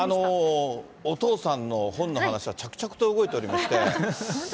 お父さんの本の話は着々と動いておりまして。